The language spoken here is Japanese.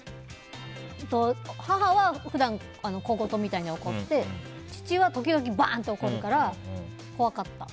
母は普段、小言みたいに怒って父は時々バーンって怒るから怖かった。